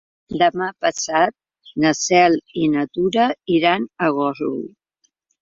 Demà passat na Cel i na Tura iran a Gósol.